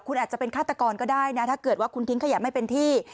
คุณอาจจะเป็นฆาตกรก็ได้นะถ้าเกิดว่าคุณทิ้งขยะไม่เป็นที่